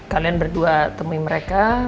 kalian berdua temui mereka